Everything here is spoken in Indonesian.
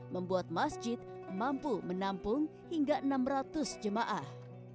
membuat masjid mampu menampung hingga enam ratus jemaah